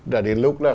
đã đến lúc là